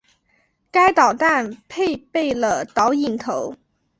该导弹配备了导引头。